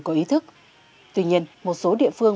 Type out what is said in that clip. có ý thức tuy nhiên một số địa phương